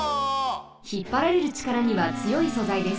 ひっぱられるちからにはつよい素材です。